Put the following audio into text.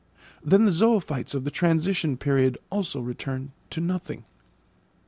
Then the zoophytes of the transition period also return to nothing.